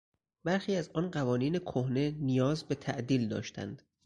برخی از آن قوانین کهنه نیاز به تعدیل داشتند.